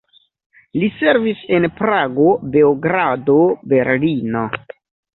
Li servis en Prago, Beogrado, Berlino.